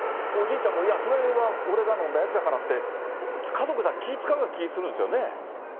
おじいちゃんも、いや、それは、俺が飲んだやつやからって、家族は気を遣うような気がするんですよね。